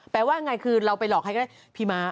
แปลว่าไงคือเราไปหลอกใครก็ได้